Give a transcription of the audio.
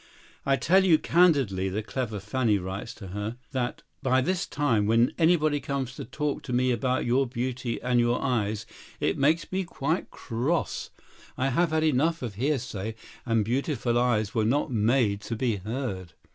"I tell you candidly," the clever Fanny writes to her, "that by this time, when anybody comes to talk to me about your beauty and your eyes, it makes me quite cross. I have had enough of hearsay, and beautiful eyes were not made to be heard."